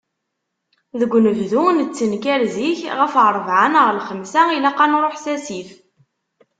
Deg unebdu, nettenkar zik, ɣef rrebɛa neɣ lxemsa, ilaq ad nṛuḥ s asif.